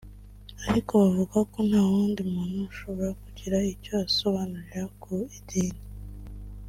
ariko bakavuga ko nta wundi muntu ushobora kugira icyo asobanura ku idini